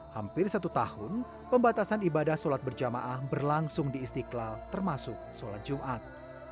hampir satu tahun pembatasan ibadah sholat berjamaah berlangsung di istiqlal termasuk sholat jumat